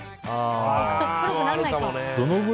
黒くならないか。